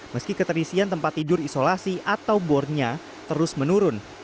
meski keterisian tempat tidur isolasi atau bornya terus menurun